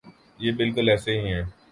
یہ بالکل ایسے ہی ہے۔